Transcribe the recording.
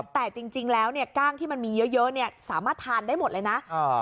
แต่จริงแล้วเนี่ยกล้างที่มันมีเยอะเยอะเนี่ยสามารถทานได้หมดเลยนะ